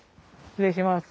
失礼します。